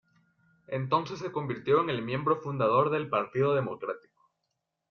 Entonces se convirtió en miembro fundador del Partido Democrático.